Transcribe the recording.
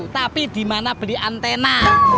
tapi dimana beli antena